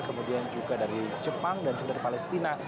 kemudian juga dari jepang dan juga dari palestina